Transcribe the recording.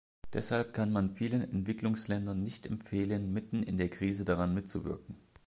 Deshalb kann man vielen Entwicklungsländern nicht empfehlen, mitten in der Krise daran mitzuwirken.